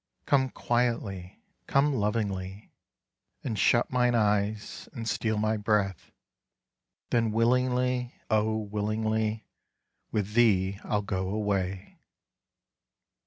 Come quietly—come lovingly, And shut mine eyes, and steal my breath; Then willingly—oh! willingly, With thee I'll go away.